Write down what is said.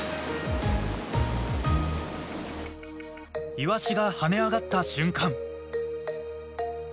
イワシが跳ね上がった瞬間。